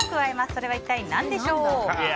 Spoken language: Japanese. それは一体何でしょう。